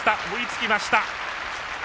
追いつきました。